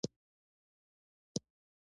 د کیمیاوي صنایعو او نفتو چاڼولو صنایع دي.